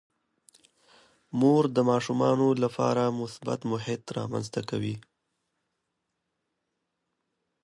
مور د ماشومانو لپاره مثبت محیط رامنځته کوي.